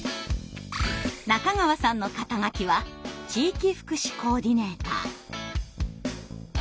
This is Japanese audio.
中川さんの肩書は地域福祉コーディネーター。